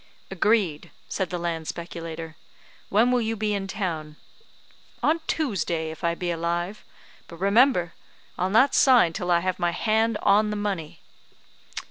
"Agreed," said the land speculator. "When will you be in town?" "On Tuesday, if I be alive. But, remember, I'll not sign till I have my hand on the money."